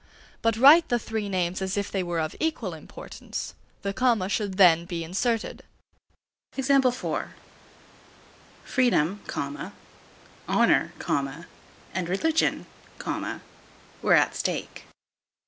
But write the three names as if they were of equal importance; the comma should then be inserted: Freedom, honour, and religion, were at stake.